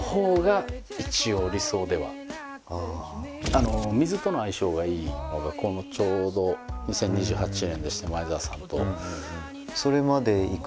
あの水との相性がいいのがこのちょうど２０２８年でして前澤さんと。